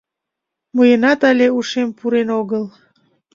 Мыйынат але ушем пурен огыл.